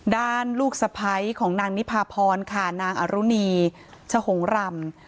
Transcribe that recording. ลูกสะพ้ายของนางนิพาพรค่ะนางอรุณีชหงรำ